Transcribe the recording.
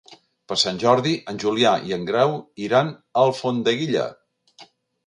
Per Sant Jordi en Julià i en Grau iran a Alfondeguilla.